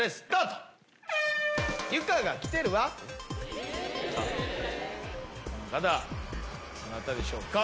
どなたでしょうか？